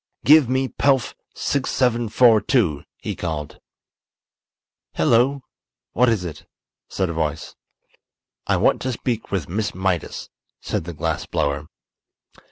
"Give me Pelf 6742!" he called. "Hello! What is it?" said a voice. "I want to speak with Miss Mydas," said the glass blower.